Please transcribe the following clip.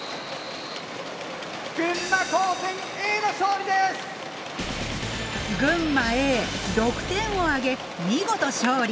群馬Ａ６点を挙げ見事勝利。